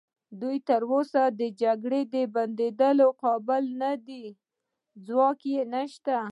دوی تراوسه د جګړې د بندولو قابل نه دي، ځواک یې نشته.